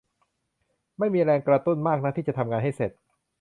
ไม่มีแรงกระตุ้นมากนักที่จะทำงานให้เสร็จ